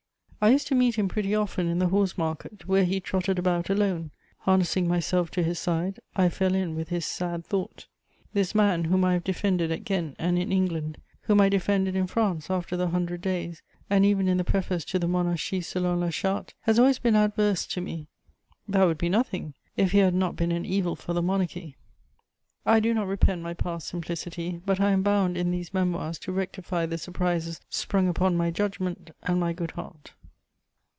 I used to meet him pretty often in the Horse market, where he trotted about alone; harnessing myself to his side, I fell in with "his sad thought." This man whom I have defended at Ghent and in England, whom I defended in France after the Hundred Days and even in the preface to the Monarchie selon la Charte, has always been adverse to me: that would be nothing, if he had not been an evil for the Monarchy. I do not repent my past simplicity; but I am bound, in these Memoirs, to rectify the surprises sprung upon my judgment and my good heart.